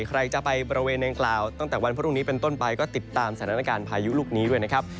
ใครจะไปบริเวณนางกล่าวตั้งแต่วันพรุ่งนี้เป็นต้นไปก็ติดตามสถานการณ์พายุลูกนี้ด้วยนะครับ